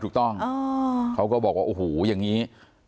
ถูกต้องเขาก็บอกว่าโอ้โหอย่างนี้